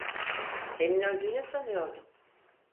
Senin öldüğünü sanıyordum.